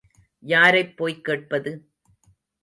யாரைப் போய் கேட்பது?